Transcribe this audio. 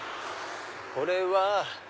これは。